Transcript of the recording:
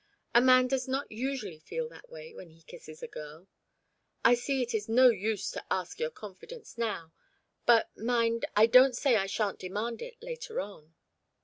A man does not usually feel that way when he kisses a girl. I see it is no use to ask your confidence now; but, mind, I don't say I sha'n't demand it later on."